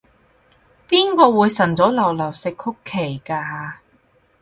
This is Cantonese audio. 邊個會晨早流流食曲奇㗎？